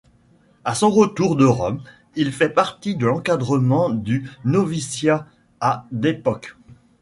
À son retour de Rome, il fait partie de l'encadrement du Noviciat à Depok.